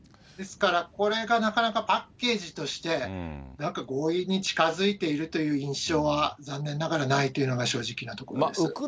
ですから、これがなかなかパッケージとしてなんか合意に近づいているという印象は残念ながらないというのが正直なところです。